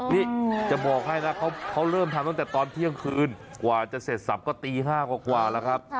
นี่จะบอกให้นะเขาเริ่มทำตั้งแต่ตอนเที่ยงคืนกว่าจะเสร็จสับก็ตี๕กว่าแล้วครับ